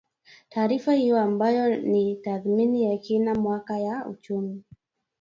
Taarifa hiyo, ambayo ni tathmini ya kila mwaka ya uchumi